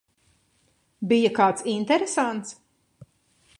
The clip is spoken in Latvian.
Bija kāds interesants?